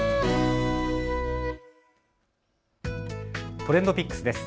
ＴｒｅｎｄＰｉｃｋｓです。